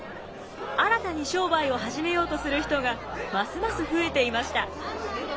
新たに商売を始めようとする人がますます増えていました。